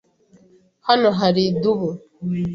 Hano hari idubu?